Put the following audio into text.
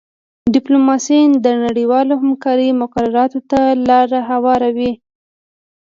ډیپلوماسي د نړیوالې همکارۍ مقرراتو ته لاره هواروي